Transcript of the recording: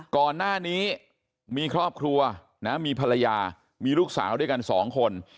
ก่อนหน้านี้มีครอบครัวนะมีภรรยามีลูกสาวด้วยกันสองคน